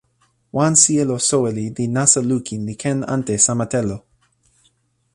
wan sijelo soweli li nasa lukin li ken ante sama telo.